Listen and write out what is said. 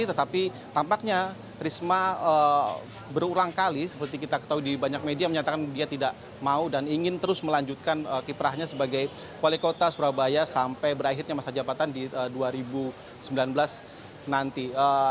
tetapi tampaknya risma berulang kali seperti kita ketahui di banyak media menyatakan dia tidak mau dan ingin terus melanjutkan kiprahnya sebagai wali kota surabaya sampai berakhirnya masa jabatan di dua ribu sembilan belas nanti